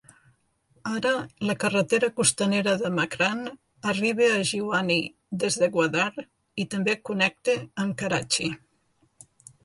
Ara la carretera costanera de Makran arriba a Jiwani des de Gwadar i també connecta amb Karachi.